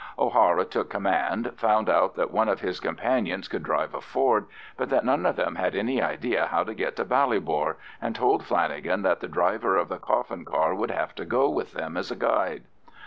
O'Hara took command, found out that one of his companions could drive a Ford, but that none of them had any idea of how to get to Ballybor, and told Flanagan that the driver of the coffin car would have to go with them as a guide.